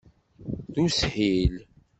D ushil.